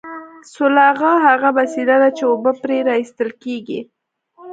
سلواغه هغه وسیله ده چې اوبه پرې را ایستل کیږي